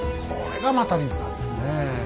これがまた立派ですね。